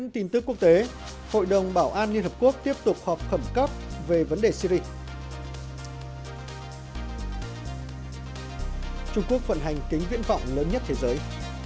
trung quốc vận hành kính viễn vọng lớn nhất thế giới